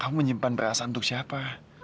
kamu menyimpan beras untuk siapa